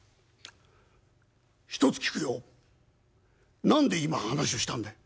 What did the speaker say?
「一つ聞くよ。何で今話をしたんだい？